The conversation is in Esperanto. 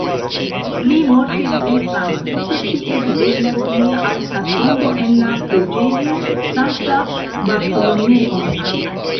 Li mortis en Frankfurto, kie videblas lia alta tombo en la Preĝejo Sankta Bartolomeo.